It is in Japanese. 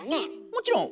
もちろん。